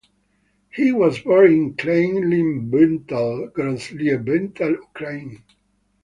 He was born in Kleinliebental, Grossliebental, Ukraine.